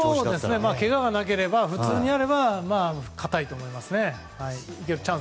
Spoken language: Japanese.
けががなければ普通にやれば固いと思います。